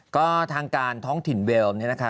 ก็ทางการท้องถิ่นเวลเนี่ยนะคะ